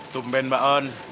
tumben mbak on